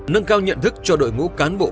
nâng cao nhận thức cho đội ngũ cán bộ